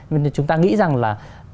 nên là chúng ta nghĩ rằng là